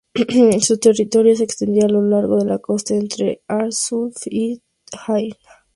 Su territorio se extendía a lo largo de la costa entre Arsuf y Haifa.